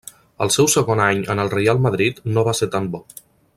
El seu segon any en el Reial Madrid no va ser tan bo.